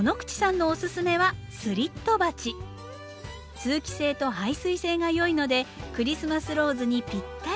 通気性と排水性が良いのでクリスマスローズにぴったり。